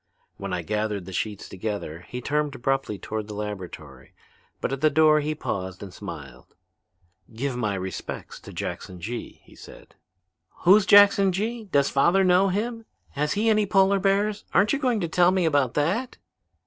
When I gathered the sheets together he turned abruptly toward the laboratory, but at the door he paused and smiled. "'Give my respects to Jackson Gee,' he said." "Who's Jackson Gee? Does father know him? Has he any polar bears? Aren't you going to tell me about that?"